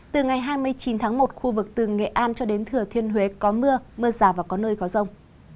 từ ngày hai mươi chín tháng một khu vực từ nghệ an cho đến thừa thiên huế có mưa mưa rào và có nơi có rông